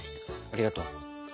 ありがとう。